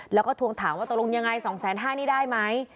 แล้วก็ทวงถามว่าตรงอย่างไร๒๕๐๐บาทนี่ได้ไหม